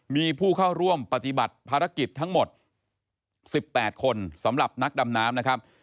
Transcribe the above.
มีผู้เข้าร่วมปฏิบัติภารกิจทั้งหมด๑๘คนสำหรับนักดำน้ำนะครับ